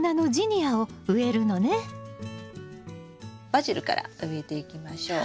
バジルから植えていきましょう。